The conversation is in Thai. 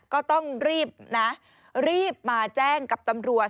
ก็ต้องรีบนะรีบมาแจ้งกับตำรวจ